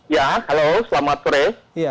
ya halo selamat sore